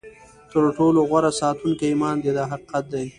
تر ټولو غوره ساتونکی ایمان دی دا حقیقت دی.